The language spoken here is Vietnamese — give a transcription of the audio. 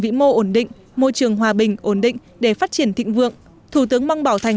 vĩ mô ổn định môi trường hòa bình ổn định để phát triển thịnh vượng thủ tướng mong bảo thành